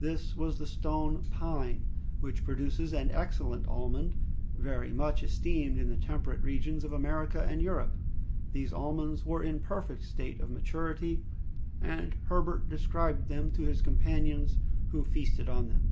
This was the stone pine, which produces an excellent almond, very much esteemed in the temperate regions of America and Europe. These almonds were in a perfect state of maturity, and Herbert described them to his companions, who feasted on them.